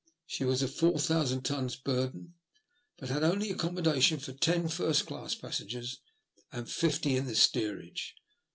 She was of 4,C00 tons burden, but had only accommodation for ten first class passengers and fifty in the steerage.